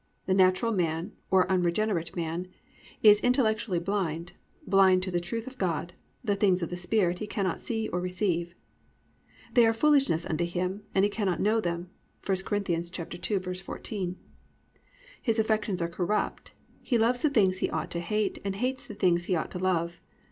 The natural man, or unregenerate man, is intellectually blind, blind to the truth of God, "the things of the Spirit" he cannot see or receive. +"They are foolishness unto him, and he cannot know them"+ (1 Cor. 2:14). His affections are corrupt, he loves the things he ought to hate and hates the things he ought to love.